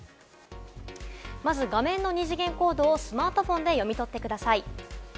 まず画面の二次元コードをスマートフォンで読み取ってください。